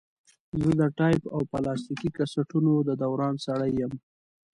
زه د ټیپ او پلاستیکي کسټونو د دوران سړی یم.